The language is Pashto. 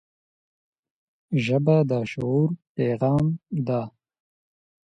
ژبه د شعور پیغام ده